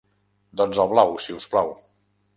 Doncs el blau, si us plau.